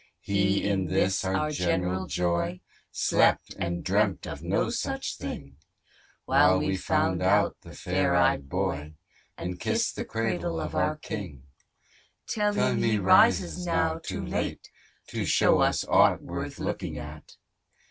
He in this our general joy, Slept, and dreamt of no such thing While we found out the fair ey'd boy, And kissed the cradle of our king; Tell him he rises now too late, To show us aught worth looking at.